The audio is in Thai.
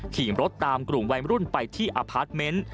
ขี่รถตามกลุ่มวัยรุ่นไปที่อพาร์ทเมนต์